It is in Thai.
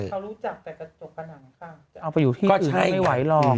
เขารู้จักแต่กระจกผนังค่ะจะเอาไปอยู่ที่ก็ใช่ไม่ไหวหรอก